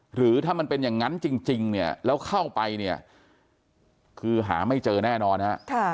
หรือถ้ามันเป็นอย่างนั้นจริงเนี่ยแล้วเข้าไปเนี่ยคือหาไม่เจอแน่นอนฮะ